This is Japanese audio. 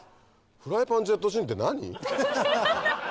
フライパン・ジェット・シンって何？